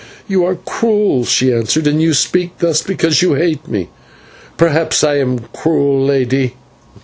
"You are cruel," she answered, "and you speak thus because you hate me." "Perhaps I am cruel, lady.